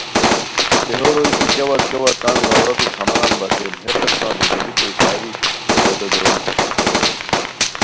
دیہو روئے دی کیاوت کیاوت تان ضرورتو سامانن بچین ہے قسمہ بیزیمیکو اشناری توتے دونی